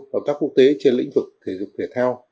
hợp tác quốc tế trên lĩnh vực thể dục thể thao